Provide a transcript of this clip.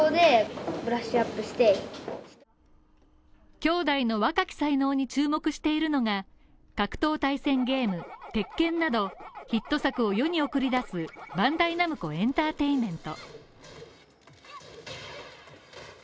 兄弟の若き才能に注目しているのが、格闘対戦ゲーム「鉄拳」などヒット作を世に送り出すバンダイナムコエンターテインメント。